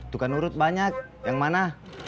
tukang urut banyak yang mana